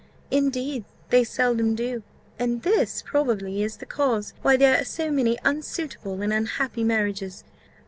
Indeed they seldom do; and this probably is the cause why there are so many unsuitable and unhappy marriages.